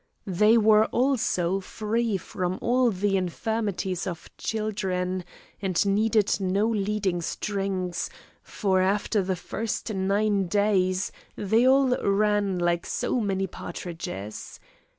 They were also free from all the infirmities of children, and needed no leading strings, for, after the first nine days, they all ran like so many partridges.